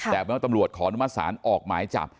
แต่เมื่อตำรวจขออนุมัติศาลออกหมายจับ